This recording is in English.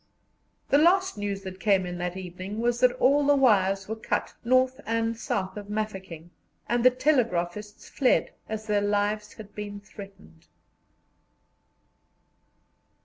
The last news that came in that evening was that all the wires were cut north and south of Mafeking, and the telegraphists fled, as their lives had been threatened.